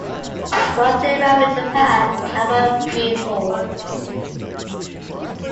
Once they arrived in Japan and were reinforced.